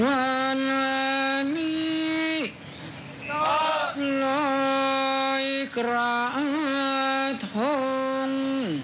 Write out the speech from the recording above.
วันนี้โลยเกราะธง